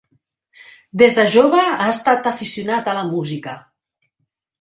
Des de jove ha estat aficionat a la música.